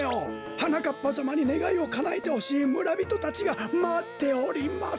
はなかっぱさまにねがいをかなえてほしいむらびとたちがまっております。